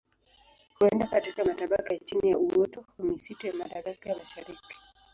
Huenda katika matabaka ya chini ya uoto wa misitu ya Madagaska ya Mashariki.